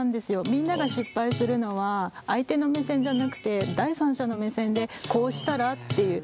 みんなが失敗するのは相手の目線じゃなくて第三者の目線でこうしたらっていう。